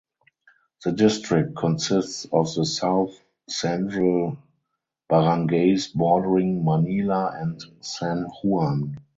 The district consists of the south central barangays bordering Manila and San Juan.